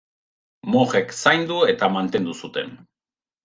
Mojek zaindu eta mantendu zuten.